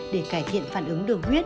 để cải thiện phản ứng đường huyết